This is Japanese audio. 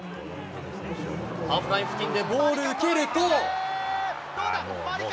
ハーフライン付近でボールを受けどうだ？